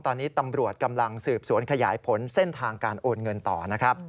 ตอนนี้ตำรวจกำลังสืบสวนขยายผลเส้นทางการโอนเงินต่อนะครับ